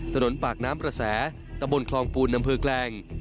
ถนนปากน้ำประแสตะบนคลองปูนอำเภอแกลง